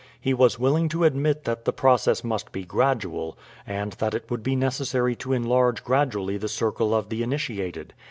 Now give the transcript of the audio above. He was willing to admit that the process must be gradual, and that it would be necessary to enlarge gradually the circle of the initiated.